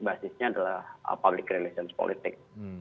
basisnya adalah public relations politik